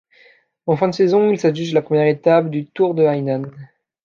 En fin de saison il s'adjuge la première étape du Tour de Hainan.